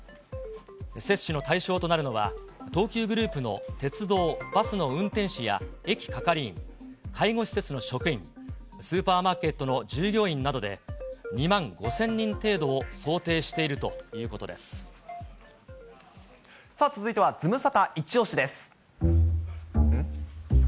接種の対象となるのは、東急グループの鉄道・バスの運転士や駅係員、介護施設の職員、スーパーマーケットの従業員などで、２万５０００人程度を想定しさあ、続いてはズムサタいち押し！です。